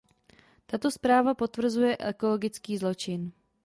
Tato zpráva potvrzuje ekologický zločin.